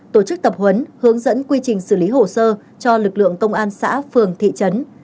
tổ chức tập huấn hướng dẫn quy trình xử lý hồ sơ cho lực lượng công an xã phường thị trấn